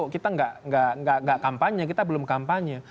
kita nggak kampanye kita belum kampanye